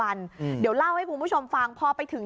อันนี้ผมถามหลวงพี่ลูก